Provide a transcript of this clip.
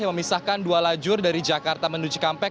yang memisahkan dua lajur dari jakarta menuju cikampek